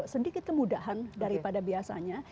sedikit kemudahan daripada biasanya